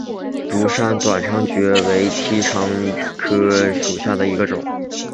独山短肠蕨为蹄盖蕨科短肠蕨属下的一个种。